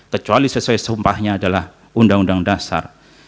kecuali sesuai sumpahnya adalah undang undang dasar